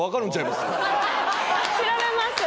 調べます。